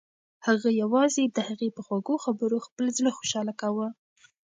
هغه یوازې د هغې په خوږو خبرو خپل زړه خوشحاله کاوه.